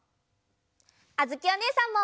あづきおねえさんも！